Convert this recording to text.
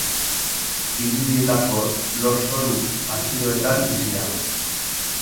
Pinudietako lurzoru azidoetan bizi da.